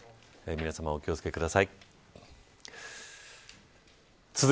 皆さま、お気を付けください。